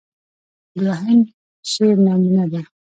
دوهم شعر نمونه ده.